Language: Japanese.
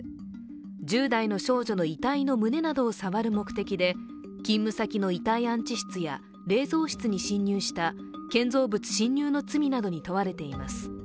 １０代の少女の遺体の胸などを触る目的で勤務先の遺体安置室や冷蔵室に侵入した建造物侵入の罪などに問われています。